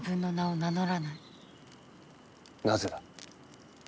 なぜだ？